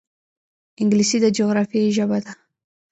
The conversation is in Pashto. انګلیسي د جغرافیې ژبه ده